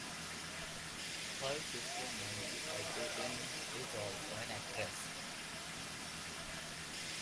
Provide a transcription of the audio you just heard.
Her sister, Nancy Ticotin, is also an actress.